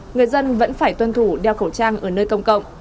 người dân vẫn phải tuân thủ đeo khẩu trang ở nơi công cộng